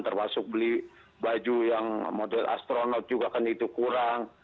termasuk beli baju yang model astronot juga kan itu kurang